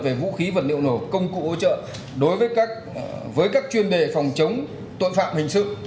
về vũ khí vật liệu nổ công cụ hỗ trợ đối với các chuyên đề phòng chống tội phạm hình sự